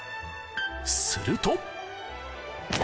すると。